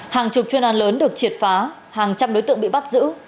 hàng chục chuyên an lớn được triệt phá hàng trăm đối tượng bị bắt giữ